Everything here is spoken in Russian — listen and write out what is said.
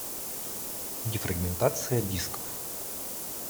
Дефрагментация дисков